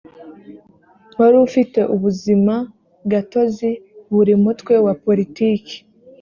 wari ufite ubuzima gatozi buri mutwe wa politiki